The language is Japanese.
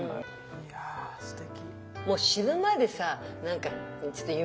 いやすてき。